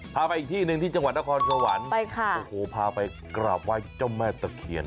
พาไปอีกที่หนึ่งที่จังหวัดนครสวรรค์โอ้โหพาไปกราบไหว้เจ้าแม่ตะเคียน